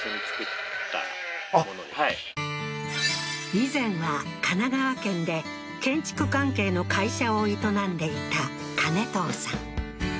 以前は神奈川県で建築関係の会社を営んでいた金藤さん